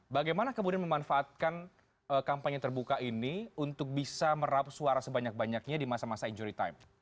bagaimana kemudian memanfaatkan kampanye terbuka ini untuk bisa merap suara sebanyak banyaknya di masa masa injury time